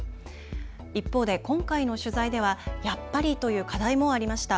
一方で今回の取材ではやっぱりという課題もありました。